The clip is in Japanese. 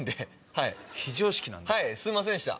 はいすいませんでした。